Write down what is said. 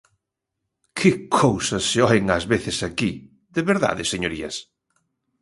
¡Que cousas se oen ás veces aquí!, ¿de verdade, señorías?